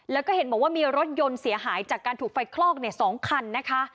แล้วก็เห็นบอกว่ามีรถยนต์เสียหายจากการถูกไฟคลอก๒คันนะคะ